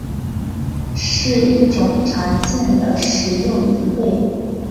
是一种常见的食用贻贝。